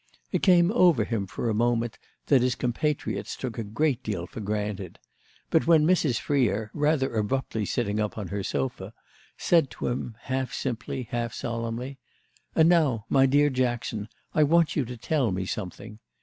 It came over him for a moment that his compatriots took a great deal for granted; but when Mrs. Freer, rather abruptly sitting up on her sofa, said to him half simply, half solemnly: "And now, my dear Jackson, I want you to tell me something!"